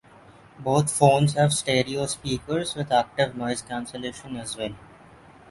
Both phones have stereo speakers with active noise cancellation as well.